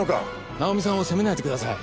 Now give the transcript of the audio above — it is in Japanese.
奈緒美さんを責めないでください。